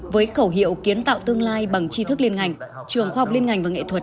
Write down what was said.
với khẩu hiệu kiến tạo tương lai bằng chi thức liên ngành trường khoa học liên ngành và nghệ thuật